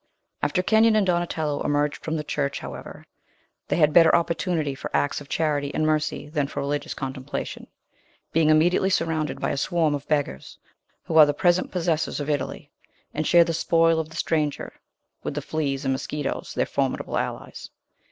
After Kenyon and Donatello emerged from the church, however, they had better opportunity for acts of charity and mercy than for religious contemplation; being immediately surrounded by a swarm of beggars, who are the present possessors of Italy, and share the spoil of the stranger with the fleas and mosquitoes, their formidable allies.